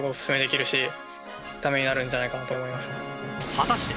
果たして